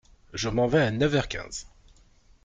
Je m’en vais à neuf heures quinze.